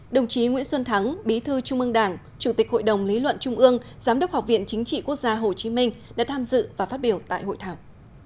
đồng chí nguyễn xuân thắng bí thư trung ương đảng chủ tịch hội đồng lý luận trung ương giám đốc học viện chính trị quốc gia hồ chí minh đã tham dự và phát biểu tại hội thảo